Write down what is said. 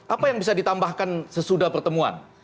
apa yang bisa ditambahkan sesudah pertemuan